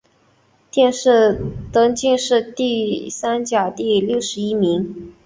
殿试登进士第三甲第六十一名。